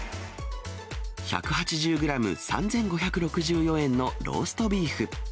１８０グラム３５６４円のローストビーフ。